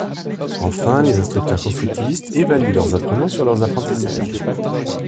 Enfin, les instructeurs constructivistes évaluent leurs apprenants sur leurs apprentissages.